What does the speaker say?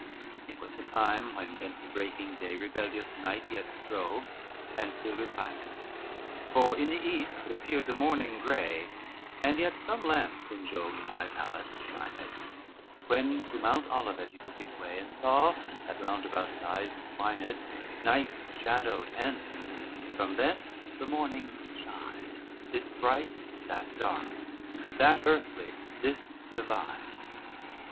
XII It was the time when gainst the breaking day Rebellious night yet strove, and still repined, For in the east appeared the morning gray And yet some lamps in Jove's high palace shined, When to Mount Olivet he took his way, And saw, as round about his eyes he twined, Night's shadows hence, from thence the morning's shine, This bright, that dark; that earthly, this divine.